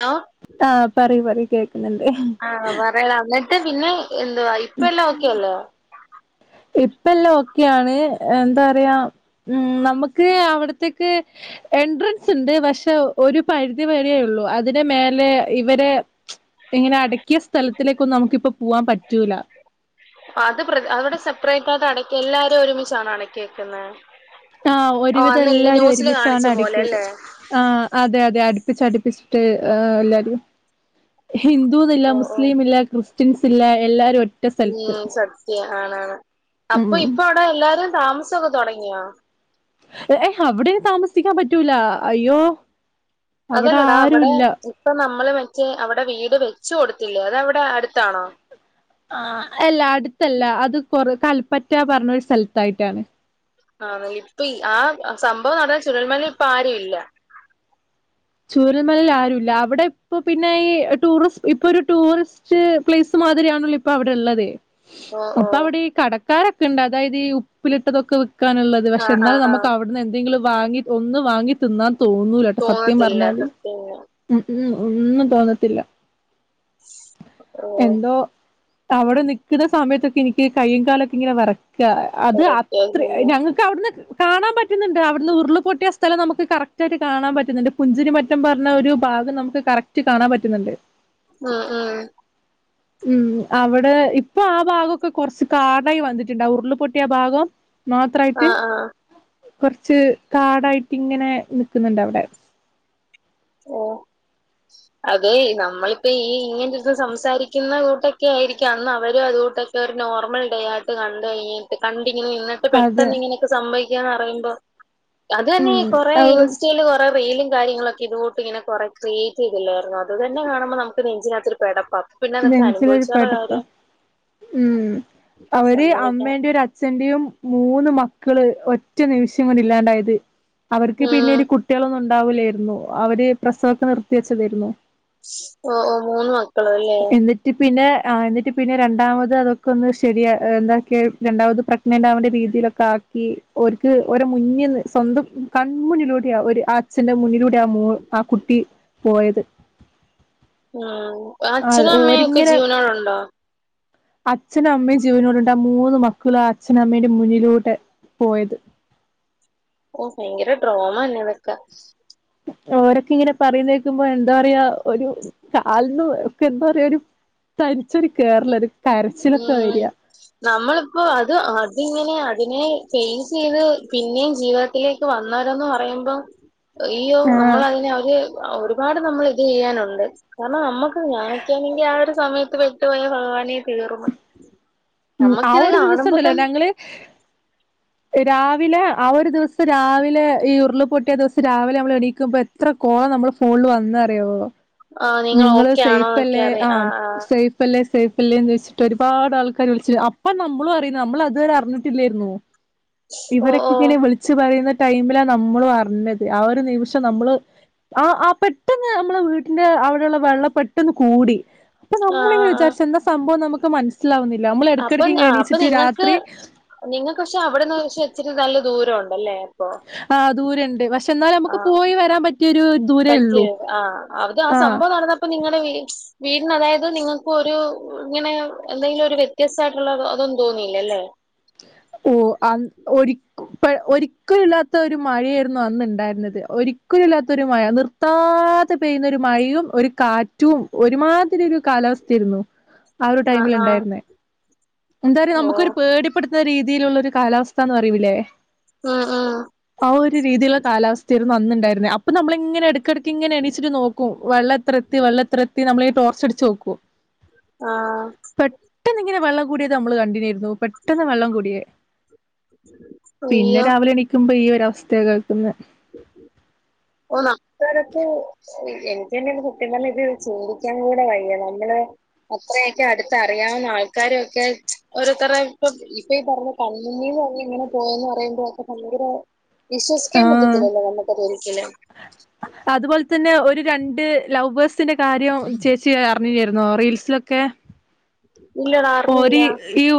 ആ ആഹ പറി പറി കേക്കുന്നുണ്ട്. ആ പറയടാ ന്നിട്ട് പിന്നെ എന്തുവാ ഇപ്പ എല്ലാം ഓക്കെയല്ലേ? ഇപ്പല്ലാം ഒക്കെയാണ്. എന്താ റയാ ഉം നമുക്ക് അവിടത്തേക്ക്. എൻട്രൻസ് ഉണ്ട് പക്ഷെ ഒരു പരിധി വരെ ഉള്ളൂ. അതിന് മേലെ ഇവരെ ഇങ്ങനെ അടക്കിയ സ്ഥലത്തിലേക്കൊന്നും നമുക്കിപ്പൊ പൂവാൻ പറ്റൂല. [unintelligible] അത് [unintelligible] അവിടെ സെപ്പറേറ്റായിട്ട് അടക്കി എല്ലാരും ഒരുമിച്ചാണ് അടക്കിക്കുന്നെ. ആഹ്, ഒരുവിധം എല്ലാരും ഒരുമിച്ചാണ് കാണിച്ച പോലെ അടുക്കിയത്. അല്ലേ ആ അതെ അതെ അടുപ്പിച്ച് അടുപ്പിച്ചിട്ട് എല്ലാരും. ഹിന്ദുന്നില്ല ഓ ഓ മുസ്ലിം ഇല്ല ക്രിസ്ത്യൻസ് ഇല്ല എല്ലാരും ഒരു ഉം സത്യ ആണാണ് അപ്പൊ ഉം ഇപ്പ അവിടെ എല്ലാരും താമസംക്കെ തുടങ്ങിയോ? ഏ അവിടെ താമസിക്കാൻ പറ്റൂല അയ്യോ അവിടെ അതല്ലടാ അവിടെ ആരുല്ല. ഇപ്പൊ നമ്മള് മറ്റേ അവിടെ വീട് വെച് കൊടുത്തില്ലേ അത്വ്ടെ അടുത്താണോ? ആ അല്ല അട്ത്തല്ല അത് കൊർ കൽപ്പറ്റ പറഞ്ഞ ഒരു സ്ഥലത്തായിട്ടാണ്. ആ ഇപ്പി ആ സംഭവം നടന്ന ചുരൽമലിൽ ഇപ്പൊ ആരും ഇല്ല. ചൂരൽമലിൽ ആരും ഇല്ല അവിടെ ഇപ്പ പിന്നെ ഈ ടൂറിസ് ഇപ്പൊ ഒരു ടൂറിസ് [unintelligible] പ്ലേസ് മാതിരി ആണല്ലോ ഇപ്പൊ അവിടെ ഉള്ളത് ഓ ഓ അപ്പൊ അവിടെ ഈ കടക്കാരൊക്കെ ഉണ്ട് അതായത് ഈ ഉപ്പിലിട്ടതൊക്കെ വെക്കാനുള്ളത് പക്ഷെ ആഹ് ന്നാലും ആഹ് നമുക്ക് ആഹ് അവിടുന്ന് എന്തെങ്കിലും വാങ്ങി ഒന്ന് വാങ്ങി തിന്നാൻ തോന്നൂലട്ടോ സത് തോന്നത്തില്ല പറഞ്ഞാല് സത്യം ഉ ഉ ഒന്നും തോന്നത്തില്ല. ഓ എന്തോ? അവിടെ നിക്ക്ണ സമയത്തൊക്കെ എനിക്ക് കയ്യും കാലൊക്കെ ഇങ്ങനെ വിറക്കുക അത് അത്ര കറക്റ്റ് ഞങ്ങ അവിടുന്ന് കാണാൻ പറ്റുന്നുണ്ട് അവിടുന്ന് ഉരുള് പൊട്ടിയ സ്ഥലം നമുക്ക് കറക്റ്റയിട്ട് കാണാൻ പറ്റുന്നുണ്ട്. കുഞ്ചിനി മറ്റം പറഞ്ഞ ഒരു ഭാഗം നമുക്ക് കറക്റ്റ് കാണാൻ പറ്റുന്നുണ്ട്. അ ആ ഉം അവിടെ ഇപ്പൊ ആ ഭാഗക്കെ കൊറച്ച് കാടായി വന്നിട്ടുണ്ട് ഉരുളിപൊട്ടിയ ആ ഭാഗം മാത്രമായിട്ട് ആഹ് ആഹ് കൊറച്ച് കാടായിട്ട് ഇങ്ങനെ നിക്കുന്നുണ്ട് അവിടെ ഓഹ് അതെ നമ്മളിപ്പ ഈ ഇങ്ങന അന്ന് അവരും അതുകൂട്ട ഇ ഒരു നോർമൽ ഡേ ആയിട്ട് കണ്ട് കഴിഞ്ഞിട്ട് കണ്ടിങ്ങനെ നിന്ന അതെ പെട്ടെന്ന് ഇങ്ങനെയൊക്കെ സംഭവിക്കാന്ന് പറയുമ്പോ അത് ഉം തന്നെഈ കൊറെേ അത് ഇൻസ്റ്റൽ കൊറെ റീലും കാര്യങ്ങളുംക്കെ ഇ ഇങ്ങനെക്കേ ക്രിയേറ്റ് ചെയ്തില്ലായിര്ന്നൊ അത് തന്നെ കാണുമ്പോ നമുക്ക് നെഞ്ചിനകത്ത് ഒരു പടപ്പാ നെഞ്ചിലൊരു പെടപ്പ ഉ അവര് സമ്മതിക്കണം അമ്മേന്റെ ഒരു അ അച്ഛന്റെയും മൂന്ന് മക്കള് ഒറ്റ നിമിഷം കൊണ്ട് ഇല്ലാണ്ടായത് അവർക്ക് ഉം പിന്നെ ഒരു കു കുട്ടികളൊന്നും ഉണ്ടാവില്ലായിരുന്നു അവര് പ്രസവക്കെ നിർത്തിവച്ചതായിരുന്നു. ഓ ഓ മൂന്ന് മ എന്നിട്ട് പിന്നെ ആ എന്നിട്ട് പിന്നെ രണ്ടാമത് അതൊക്കെ ഒന്ന് ശരിയ എന്ത രണ്ടാമത് പ്ര ണ്ടാവണ്ടേ രീതിയിലൊക്കെ ആക്കി ഓര്ക്ക് ഓരെ മുന്നിന്ന് സ്വന്തം കൺമുന്നിലൂടെ ഒരു ആ ഒരു ആ അച്ഛന്റെ മുന്നിലൂടെ ആ മോൾ ആ കുട്ടി പോയത് ആ ആ അച്ഛനും അമ്മയും ഒക്കെ ഓരിങ്ങനെ ജീവനോടെ ഉണ്ടോ? അച്ഛനും അമ്മയും ജീവനോടെണ്ട് ആ മൂന്ന് മക്കളും ആ അച്ഛനും അമ്മയുടെ മുന്നിലൂടെ പോയത് ഓ ഭയങ്കര ട്രോമ ന്നെതൊക്ക ഓരൊക്കെ ഇങ്ങനെ പറയുന്ന കേക്കുമ്പോ എന്താ പറയാ ഒരു കാലന്ന് എന്താ പറയാ ഒരു തരിച്ചൊരു കേറല ഒരു കരച്ചിലൊക്കെ വര ഉം നമ്മളിപ്പോ അത് അതിങ്ങനെ അതിനെ ഫേസ് ചെയ്ത് പിന്നെയും ജീവ യിലേക്ക് വന്നരന്ന് പറയുമ്പം ഈയോ ആഹ് നമ്മളതിനെ അവര് ഒരുപാട് നമ്മൾ ഇത് ചെയ്യാനുണ്ട്. കാരണം നമ്മുക്ക് ഞാനെക്കാണെങ്കി ആ ഒരു സമയത്ത് പെട്ടു പോയാ ഭഗവാനെ തീർന്ന് ഉം ആ നമ്മുക്കിത് ഒരു ദിവസം കാണുമ്പോ ഉണ്ടല്ലോ തനെ ഞങ്ങള് രാവിലെ ആ ഒരു ദിവസം രാവിലെ ഈ ഉരുൾ പൊട്ടിയ ദിവസ രാവിലെ നമ്മൾ എണിക്കുമ്പോ എത്ര കോള നമ്മള് ഫോണിൽ വന്ന അറിയോ ആ നിങ്ങൾ നിങ്ങള് ഓക്കെ സേഫ് ആണോന്നൊക്കെ അല്ലേ ആ അറിയാം സേ സേഫല്ലേ സേഫ് അല്ലേന്ന് ചോദിച്ചിട്ട് ഒരുപാട് ആൾക്കാര് വിളിച്ചി അപ്പൊ നമ്മള അറിയുന്ന നമ്മളതുവരെ അറിഞ്ഞിട്ടില്ലായിരുന്നു. ഓ ഇവരൊക്കെ ഓ ഇങ്ങനെ വിളിച്ചു പറയുന്ന ടൈമിലാ നമ്മള് അറിഞ്ഞത് ആ ഒരു നിമിഷം നമ്മള് ആഹ ആഹ പെട്ടെന്ന് നമ്മെളെ വീട്ടിന്റെ അവിടെയുള്ള വെള്ളം പെട്ടെന്ന് കൂടി. അപ്പൊ ആ ആ നമ്മളിങ്ങനെ ആ വിചാരിച്ച എന്താ സംഭവം നമുക്ക് മനസ്സിലാവുന്നില്ല നമ്മൾ ഇടക്കടക് ഇങ്ങനെ എണീച്ചിട്ട് രാത്രി നിങ്ങൾക്ക് പക്ഷെ അവിടെന്ന് പക്ഷെ ഇച്ചിരി നല്ല ദൂരം ഉണ്ടല്ലേ അപ്പൊ ആ ദൂരുണ്ട് പക്ഷെ എന്നാലനമുക്ക് ആ പോയി വരാൻ പറ്റിയൊരു ദൂരേ ഉള്ളു ആഹ ഇപ്പൊ നിങ്ങളെ വീട്സ് വീടിന് അതായത് നിങ്ങൾക്ക് ഒരു ഇങ്ങനെ എന്തെങ്കിലും ഒരു വ്യത്യസ്തയിട്ടുള്ള അതൊന്നും തോന്നിയില്ല അല്ലേ ഓ ആഹ ഒ ഒരിക്കല ഇല്ലാത്ത ഒരു മഴയായിരുന്നു അന്നുണ്ടായിരുന്നത് ഒരി ക്കലുല്ലാത്ത ഒരു മഴ നിർത്താതെ പെയ്യുന്ന ഒരു മഴയും ഒരു കാറ്റും ഒരുമാതിരി ഒരു കാലാവസ്ഥയിരുന്നു. [unintelligible] ആ ഒരു ടൈമിൽ ആഹ് ഉണ്ടായിരുന്നേ എന്തായും ഓഹ് നമുക്കൊരു പേടിപ്പെടുത്തുന്ന രീതിയിലുള്ള ഒരു കാലാവസ്ഥന്ന് പറയിലേ ഉം ഉം ആ ഒരു രീതിലുള്ള കാലാവസ്ഥരു ന്നുണ്ടായിരുന്നേ അപ്പൊ നമ്മളങ്ങനെ എടക്ക് എടക്ക്ട്ക്ക ഇങ്ങെ എണിച്ച്നോക്കും വെള്ളം എത്ര എത്തി വെള്ള എത്ര എത്തി നമ്മളി ടോർച്ചടിച്ച് നോക്കും. ആഹ പെട്ടെന്ന് ഇങ്ങനെ വെള്ളം കൂടിയത് നമ്മള് കണ്ടില്ലായിരുന്നു. പെട്ടെന്ന് വെള്ളം കൂടിയേ പിന്നെ അയ്യോ രാവിലെ എണീക് നിക്കുമ്പോ ഈ ഒര അവസ്ഥയ കേൾക്കന്ന് ഓ അത്തരത്തി എനിക്ക് തന്നെ കുട്ടി പറ ഇത് ചോതിക്കാൻ കൂടെ വയ്യ നമ്മള് അത്രയൊക്കെ അടുത്ത അറിയാവുന്ന ആൾക്കാരൊക്കെ ഓരോത്തര ഇപ്പ ഈ പറഞ്ഞ കണ്മുന്നീന്ന് നമ്മൾ ഇങ്ങനെ പോയന്ന് പറയുമ്പോ ഒക്കെ ഭയങ്കര വിശ്വസിക്കാൻ പറ്റത്തില്ലല്ലോ ഞമ്മക്കത് ഒരിക്കലും അതുപോൽ തന്നെ ഒരു രണ്ട് ലൗ ബേഴ്സിൻ്റെ കാര്യം ചേച്ചി അറിഞ്ഞില്ലായിരുന്നോ റീൽസിലൊക്കെ? ഇല്ലടാ അറിഞ്ഞില്ല ഓരീ യൂ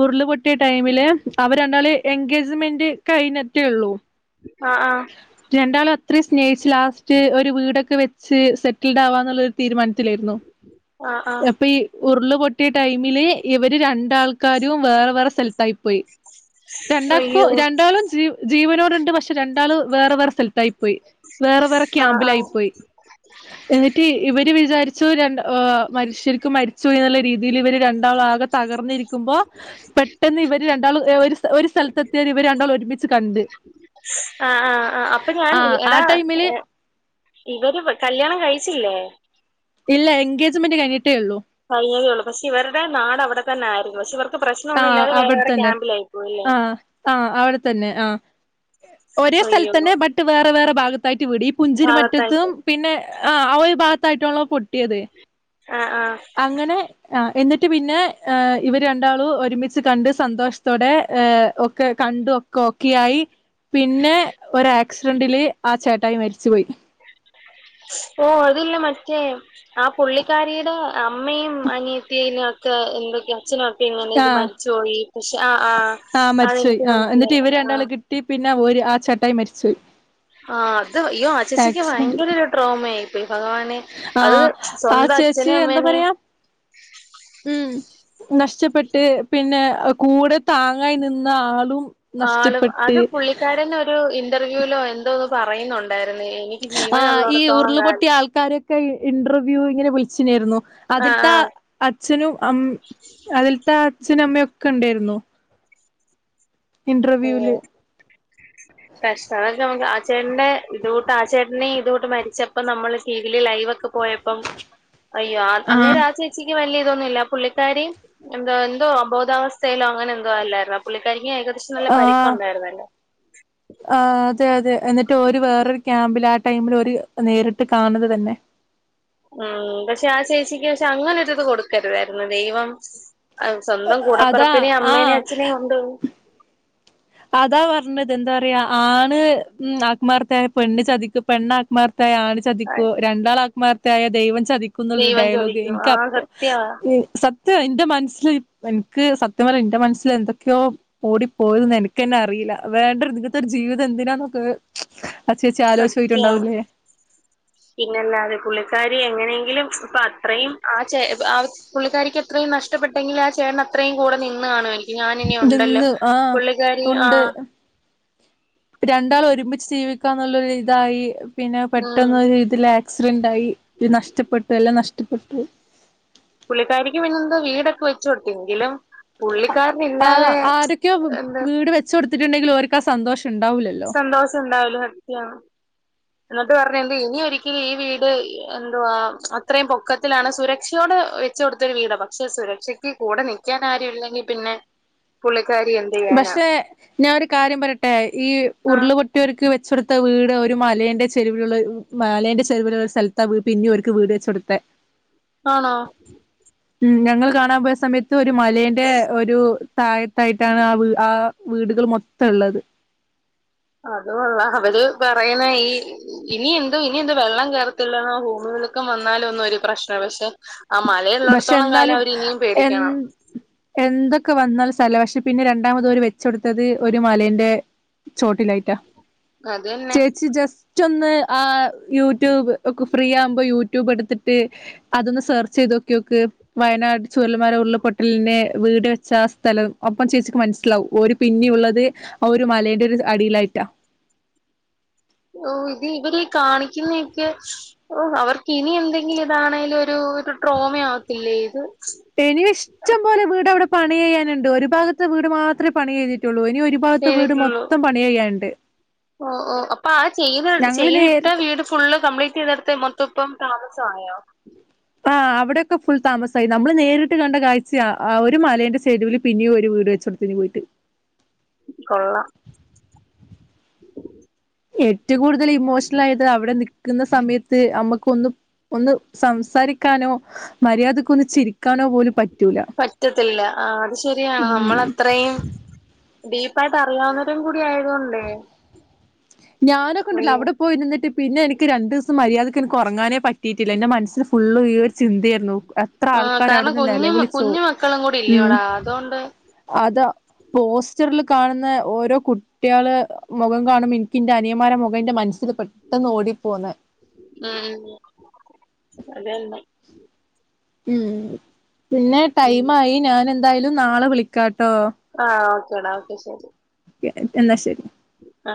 ഉരുള് പൊട്ടിയ ടൈമില്, അവര് രണ്ടാല് എൻഗേജ്മെന്റ് കഴിഞ്ഞിട്ടേള്ളു. ആഹ ആഹ രണ്ടാളും അത്രയും സ്നേഹിച്ച്. ലാസ്റ്റ് ഒരു വീടൊക്കെ വെച്ച് സെറ്റിൽഡ് ആവാ എന്നുള്ള തീരുമാനത്തിലായിരുന്നു. ആഹ് ആഹ് അപ്പൊ ഈ ഉരുള പൊട്ടി യ ടൈമില് ഇവര് രണ്ടാൾക്കാരും, വേറെ വേറെ സ്ഥലത്തായി പോയി. രണ്ടാക്കും അയ്യോ രണ്ടാളും ജീ ജീവനോടുണ്ട്. പക്ഷെ രണ്ടാള് വേറെ വേറെ സ്ഥലത്തായി പോയി. വേറെ വേറെ ആഹ് ക്യാമ്പിലായി ആഹ് പോയി. എന്നിട്ട് ഇവര് വിചാരിച്ചു, രണ്ട മരിശ് ശെരിക്കു മരിച്ചു എന്നുള്ള രീതി ഇവര് രണ്ടാള ആകെ തകർന്നിരിക്കുമ്പോ, പെട്ടെന്ന് ഇവര് രണ്ടാള് ഒര ഒരു സ്ഥലത്തെ എത്തിയര് ഇവര് രണ്ടാള് ഒരുമിച്ച് കണ്ട്. ആ ആ ആ അപ്പൊ ഞാൻ ആ ആ എടാ ടൈമില് ഇവര് കല്ല്യാണം കഴിച്ചില്ലേ? ഇല്ല എൻഗേജ്മെന്റ് കഴിഞ്ഞിട്ടേ ഉള്ളൂ. കഴഞ്ഞതേ ഉള്ളൂ. പക്ഷെ ഇവരുടെ നാട് അവിടെ തന്നെ ആയിരുന്നു. പക്ഷെ ഇവർ ആഹ അവിടെത്തന്നെ, ആഹ ആഹ അവിടെ തന്നെ ആഹ. ഒരേ അയ്യോ സ്ഥലത്തന്നെ, ബ ട്ട് വേറെ വേറെ ഭാഗത്തായിട്ട് വീട്. ഈ പുഞ്ചിന് മറ്റത്തും, ഭാഗത്തായിട്ട് പിന്നെ ആ ആ ഒരു ഭാഗത്തായിട്ടാളോ പൊട്ടിയത്. ആ ആഹ. അങ്ങനെ, ആ എന്നിട്ട് പിന്നെ ഇവര് രണ്ടാളും, ഒരുമിച്ച് കണ്ട് സന്തോഷത്തോടെ ഒക്കെ കണ്ടു കോക്കെയായി പിന്നെ, ഒരാക്സിഡന്റില് ആ ചേട്ടായി മരിച്ചു പോയി. ഓ അതില്ലേ മറ്റേ, ആ പുള്ളിക്കാരിയുടെ അമ്മയും, അനിയത്തിനേം ഒക്കെ എന്തൊക്കെയ അച്ഛനൊക്കെ, ഇങ്ങനെ ഇത് ആഹ് മരിച്ചുപോയി. പക്ഷെ ആ ആഹ്. ആഹ് മരിച്ച് പോയി. അതെനിക്ക് ആ എന്നിട്ട് മനസ്സിലായി ഇവര് രണ്ടാള് ആഹ് കിട്ടി. പിന്നെ ഒര് ആ ചേട്ടായി മരിച്ചുപോയി. ആ അത് യ്യോ ആ ചേച്ചിക്ക് ഭയങ്കര ഒരു ട്രോമ ആയി പോയി. ഭഗവാനെ, ആഹ അത് ആ സ്വന്തം ചേച്ചി അച്ഛനേം എന്താ അമ്മേനേം പറയാ. ഉം നഷ്ടപ്പെട്ട് പിന്നെ കൂടെ താങ്ങായി നിന്ന ആളും, ആളും അത് നഷ്ടപ്പെട്ട് പുള്ളിക്കാരൻ ഒരു ഇന്റർവ്യൂലോ എന്തോന്ന് പറയുന്നുണ്ടായിരുന്നു. എനി ആ ഈ ഉരുള്പൊട്ടിയ ആൾക്കാരെ ക്കെ ഇന്റർവ്യൂ ഇങ്ങനെ വിളിചിനേയിരുന്നു. ആ അതിൽത്ത ആ അച്ഛനും അമ് അതിലത്ത അച്ഛനും അമ്മയൊക്കെ ഉണ്ടയിരുന്നു. [unintelligible] [unintelligible] ആ ചേട്ടനെ ഇതൊട്ട് ആ ചേട്ടനെ ഇതോട്ട് മരിച്ചപ്പോം നമ്മള് ടി വില് ലൈവ് ഒക്കെ പൊ വ് പോയപ്പം അയ്യോ ആഹ് അന്നേരാ ചേച്ചിക്ക് വലിയ ഇതൊന്നുമില്ല. പുള്ളി ക്കാരി എന്തോ എന്തോ അബോധാവസ്ഥയിലോ അങ്ങനെ എന്തോ അല്ലാരുന്നോ. പുള്ളിക്കാരിക്ക്‌ ഏകദേശം, നല്ല പരിക്കുണ്ടായിരുന്നല്ലോ. ആ അതെ അതെ എന്നിട്ട് ഒരു വേറൊരു ക്യാമ്പിൽ ആ ടൈമില് ഒര് നേരിട്ട് കാണുന്നത് തന്നെ. ഉം പക്ഷെ ആ ചേച്ചിക്ക് പക്ഷെ അങ്ങനൊരിത് കൊടുക്കരുതായിരുന്നു ദൈവം. സ്വന്തം അതാ കൂടപ്പറപ്പിനേം അമ്മേനേം ആഹ് അച്ഛനേം കൊണ്ട്, അതാ പറഞ്ഞത്. എന്താ പറയാ ആണ് ആത്മാർത്ഥയ പെണ്ണ് ചതിക്കും. പെണ്ണ ആത്മാർത്ഥയായ ആണ്, ആ, ചതിക്കും. രണ്ടാള് ആത്മാർത്ഥയായ ദൈവം ചതിക്കും. എന്നുള്ളരു ദൈവം ഡയലോഗ് ചോദിക്കും ആ എനിക്ക്പ്പ സത്യവാ സത്യ എന്റെ മനസ്സില് എനിക്ക് സത്യം പറഞാ എന്റെ മനസ്സില് എന്തൊക്കെയോ ഓടിപ്പോയിന്ന എനിക്ക്. പിന്നെ അറിയില്ല. വേണ്ട ഒരു നിങ്ങത്തെ ഒരു ജീവിത എന്തിനാ നമുക്ക്. സത്യം. പിന്നെല്ലാതെ പുള്ളിക്കാരി എങ്ങനെങ്കിലും ഇപ്പൊ അത്രയും, ആ ചേ ആ പുള്ളിക്കാരിക്ക് അത്രയും നഷ്ടപ്പെട്ടെങ്കിലും, ആ ചേട്ടൻ അത്രയും കൂടെ നിന്ന് കാണുവമായിരിക്കും. ഞാനിനി ഉണ്ടല്ലോ ഇതെന്ന് ആഹ് പുള്ളിക്കാരി ആ ഉണ്ട് രണ്ടാൾ ഒരുമിച്ച് ജീവിക്കാന്നുള്ളൊ ഇതായി പിന്നെ ഉം പെട്ടെന്ന് ഇതിലാ ആക്സിഡന്റ് ആയി നഷ്ടപ്പെട്ടു എല്ലാം നഷ്ടപ്പെട്ടു പുള്ളിക്കാരിക്ക് പിന്നെന്തോ വീടൊക്കെ വെച്ചു കൊടുത്തിങ്കിലും ആ ആരൊക്കെ എന്ത് വീട് വെച്ച് കൊടുത്തിട്ടുണ്ടെങ്കിലും ഓര്ക്ക് ആ സന്തോഷം ഉണ്ടാവൂലല്ലോ സന്തോഷം ഉണ്ടാവുല്ല സത്യാണ്. എന്നിട്ട് പറഞ്ഞ ഇനി ഒരിക്കലും ഈ വീട് എന്തുവാ അത്രയും പൊക്കത്തിലാണ് സുരക്ഷയോടെ കൊടുത്തരു വീടാ പക്ഷെ സുരക്ഷക്ക് കൂടെ നിക്കാൻ ആരു ല്ലെങ്കി പിന്നെ പുള്ളിക്കാരി എ പക്ഷെ ഞാനൊരു കാര്യം പറയട്ടെ ഈ ആ ഉരുളപൊ മറ്റർക്ക് വെച്ചെടുത്ത വീട് ഒരു മലേന്റെ ചെരുവിലുള്ള മലേന്റെ ചെരുവിലുള്ള സ്ഥലത് പിന്നെ ഓർക്ക് വീട് വെച് കൊടുത്ത ആണോ ഉം ഞങ്ങള് കാണാ പോയ സമയത്ത് ഒരു മലെന്റെ ഒരു തഴത്തായിട്ട് ട്ടാണ് ആ ആ വീടുകൾ മൊത്തം ള്ളത് അതുകൊള്ള അവര് പറയണ ഈ ഇനി എന്ത്‌ ഇനി എന്ത്‌ വെള്ളം കേർ [unintelligible] ഭൂമിലുക്കം വന്നാലും ഒന്നും ഒരു പ്രശ്ന പക്ഷെ [inaudible] ആ പക്ഷെ മലയള്ളിടത്തോളം കാലം എന്നാലും അവര് ഇനിയും എ പേടിക്കണം എന്തൊക്കെ വന്നാൽ സ്ഥല പക്ഷെ പിന്നെ രണ്ടാമത് ഒരു വെച്ച കൊടുത്തത് ഒരു മലന്റെ ചോട്ടിലായിട്ടാ അത് തന്നെ ചേച്ചി ജസ്റ്റ് റ്റൊന്ന് ആ യൂട്യൂബ് ഒക്കെ ഫ്രീ ആവുമ്പോ യൂട്യൂബ് എടുത്തിട്ട് അതൊന്ന് സെർച്ച്യ്ത് നോക്കിയോക്ക് വയനാട് ചുവലന്മാരെ ഉള്ളപൊട്ടലിനെ വീട് വെച്ച സ്ഥലം ഒപ്പം ചേച്ചിക്ക് മനസ്സിലാവും ഒരു പിന്നെയ ഉള്ളത് ആ ഒരു മലയുടെ ഒരു അടിയിലായിട്ടാ ഓ ഇത് ഇവര് കാണിക്കുന്നൊക്കെ ഓ അവർക്ക്നി എന്തെങ്കിലും ഇതാണെലും ഒരു ഒരു ട്രോമ ആവത്തില്ലേ ഇത് എനി ഇഷ്ടംപോലെ വീട് അവിടെ പണി കയ്യാനുണ്ട് ഒരു ഭാഗത്തെ വീട് മാത്രെ പണി കയിഞ്ഞിട്ടുള്ളൂ ഇനി ഒരു ഭാഗത്തെ വീട് ചെയ്തിട്ടുള്ളൂ മൊത്തം പണി ചെയ്യാനുണ്ട് ഓ ഓ അപ്പൊ ആ ചെയ്ത ഞങ്ങള് ചെയ്തിട്ട നേരിട്ട് വീട് ഫുള്ള് കംപ്ലീറ്റ് യ്തടുത്ത് മൊത്തം ഇപ്പം താമസായോ ആഹ് അവിടെയക്കെ ഫുൾ താമസായി നമ്മൾ നേരിട്ട് കണ്ട കാഴ്ച ഒരു മലേന്റെ ചെരുവിൽ പിന്നെയും ഒരു വീട് വെച്ചു കൊടു പിന്നെ വീട്ടില് കൊള്ളാം ഏറ്റവും കൂടുതൽ ഇമോഷണൽ ആയത് അവിടെ നിക്കുന്ന സമയത്ത് മ്മക്ക് ഒന്ന് ഒന്ന് സംസാരിക്കാനോ മര്യാദക്കൊന്ന് ചിരിക്കാനോ പോലും പറ്റൂല പറ്റത്തില്ല ആ ഡീപായിട്ട് അറിയാവുന്നരം കൂടി ആയതോണ്ടേ ഞാനൊക്കെണ്ടല്ലോ അവിടെ പോയി നിന്നിട്ട് പിന്നെ എനിക്ക് രണ്ട് ദിസം മര്യാദയ്ക്ക് എനിക്ക് ഉറങ്ങാനേ പ കിട്ടിട്ടില്ല ന്റെ മനസ്സിൽ ഫുള്ള് ഈ ഒരു ചിന്തയായിരുന്നു അത്ര ആ ആൾക്കാര കാരണം അവിടെന്ന് കുഞ്ഞു നെലവിളിചു കുഞ്ഞു മക്കളും കൂടി ഉം ഇല്ലയോടാ അതുകൊണ്ട് അത പോസ്റ്ററിൽ കാണുന്ന ഓരോ കുട്ടിയള് മുഖം കാണുമ്പ ഇൻ ന്റെ അനിയമാരെ മുഖന്റെ മനസ്സിൽ പെട്ടന്ന് ഓടിപ്പോന്ന് ഉം അതെന്നെ ഉം പിന്നെ ഉം ടൈംആയി ഞാൻ എന്തായാലും നാളെ വിളിക്കാട്ടോ. ആഹ് ഓക്കെടാ ഓക്കെ ശരി. എന്ന ശരി. ആ